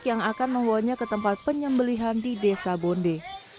yang akan membawanya ke tempat penyembelihan di desa bonde